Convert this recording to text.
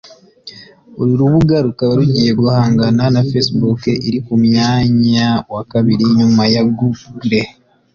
uru rubuga rukaba rugiye guhangana na facebook iri ku mwanya wa kabiri nyuma ya google